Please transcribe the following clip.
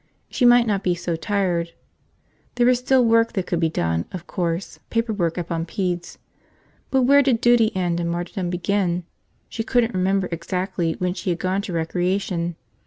She might not be so tired. There was still work that could be done, of course, paperwork up on pedes. But where did duty end and martyrdom begin? She couldn't remember exactly when she had gone to recreation.